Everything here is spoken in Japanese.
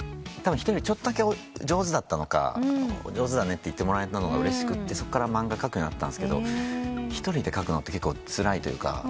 たぶん人よりちょっとだけ上手だったのか上手だねって言ってもらえたのがうれしくてそっから漫画描くようになったんですけど一人で描くのって結構つらいというか。